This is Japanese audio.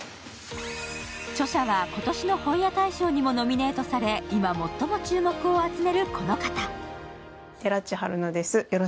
著者は今年の本屋大賞にもノミネートされ今、最も注目を集めるこの方。